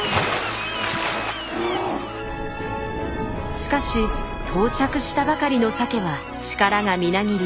しかし到着したばかりのサケは力がみなぎり